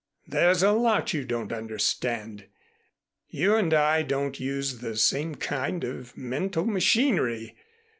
"There's a lot you don't understand. You and I don't use the same kind of mental machinery.